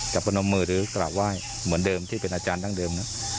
พนมมือหรือกราบไหว้เหมือนเดิมที่เป็นอาจารย์ดั้งเดิม